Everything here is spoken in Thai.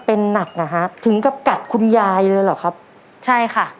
เป็นหนักอ่ะฮะถึงกับกัดคุณยายเลยเหรอครับใช่ค่ะ